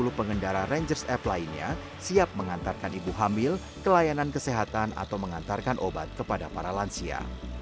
dan juga tujuh puluh pengendara rangers f lainnya siap mengantarkan ibu hamil kelayanan kesehatan atau mengantarkan obat kepada para lansia